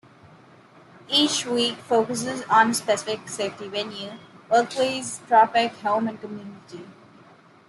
Each week focuses on a specific safety venue: workplace, traffic, home, and community.